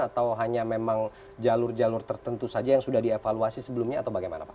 atau hanya memang jalur jalur tertentu saja yang sudah dievaluasi sebelumnya atau bagaimana pak